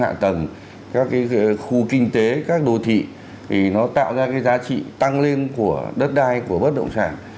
các cái hệ thống hàng tầng các cái khu kinh tế các đồ thị thì nó tạo ra cái giá trị tăng lên của đất đai của bất động sản